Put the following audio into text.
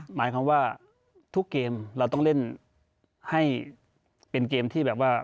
หมายความว่าทุกเกมเราต้องเล่นให้เป็นเกมที่แบบว่า